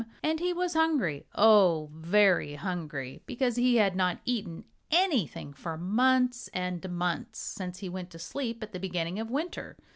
And he was hungry oh! very hungry, because he had not eaten anything for months and months, since he went to sleep at the beginning of winter.